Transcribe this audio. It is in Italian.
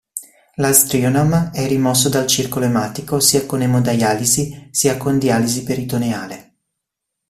L'aztreonam è rimosso dal circolo ematico sia con emodialisi sia con dialisi peritoneale.